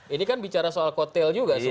ini kan bicara soal kotel juga sih